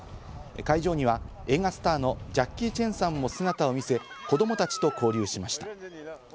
会場には映画スターのジャッキー・チェンさんも姿を見せ、子供たちと交流しました。